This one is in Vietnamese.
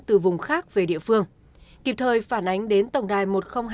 từ vùng khác về địa phương kịp thời phản ánh đến tổng đài một nghìn hai mươi hai